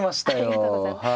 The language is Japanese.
ありがとうございます。